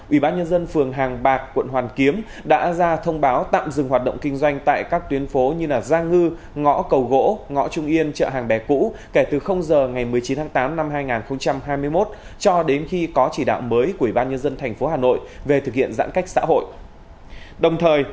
ủy ban nhân dân phường hàng bạc quận hoàn kiếm đã ra thông báo tạm dừng hoạt động kinh doanh tại các tuyến phố như gia ngư ngõ cầu gỗ ngõ trung yên chợ hàng bè cũ kể từ giờ ngày một mươi chín tháng tám năm hai nghìn hai mươi một cho đến khi có chỉ đạo mới của ủy ban nhân dân tp hà nội về thực hiện giãn cách xã hội